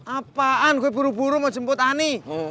apaan gue buru buru mau jemput ani